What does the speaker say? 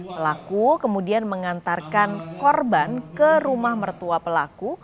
pelaku kemudian mengantarkan korban ke rumah mertua pelaku